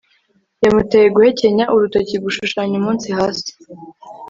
yamuteye guhekenya urutoki, gushushanya umunsi hasi